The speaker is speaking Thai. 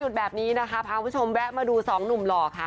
แบบนี้นะคะพาคุณผู้ชมแวะมาดูสองหนุ่มหล่อค่ะ